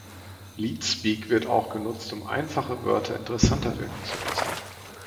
Leetspeak wird auch genutzt, um einfache Wörter interessanter wirken zu lassen.